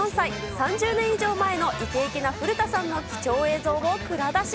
３０年以上前のいけいけな古田さんの貴重映像を蔵出し。